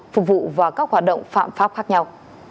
phục vụ vào các hoạt động phạm pháp khác nhau